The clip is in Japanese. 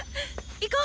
行こう！